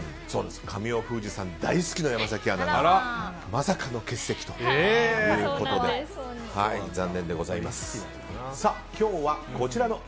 神尾楓珠さん大好きな山崎アナがまさかの欠席ということで残念でございます。